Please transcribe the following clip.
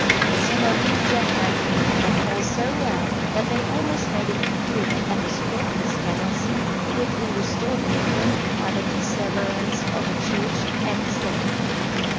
Some of these gentlemen pleaded their cause so well that they almost made it appear that episcopal ascendancy would be restored in England by the disseverance of the Church and State.